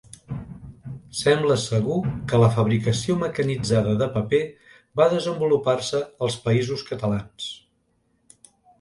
Sembla segur que la fabricació mecanitzada de paper va desenvolupar-se als Països Catalans.